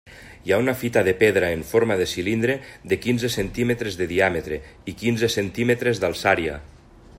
Hi ha una fita de pedra en forma de cilindre de quinze centímetres de diàmetre i quinze centímetres d'alçària.